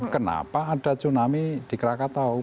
kenapa ada tsunami di krakatau